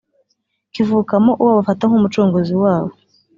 kivukamo uwo bafata nk’umucunguzi wabo